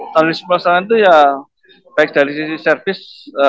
standarisasi pelayanan itu ya baik dari sisi servis